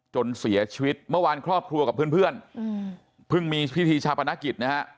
จนเสียชีวิตเมื่อวานครอบครัวกับเพื่อนเพิ่งมีพิธีชาปนกิจนะฮะ